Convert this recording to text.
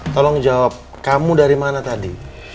tolong jawab kamu dari mana tadi